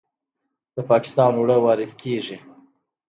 د پاکستان اوړه وارد کیږي.